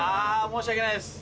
申し訳ないです。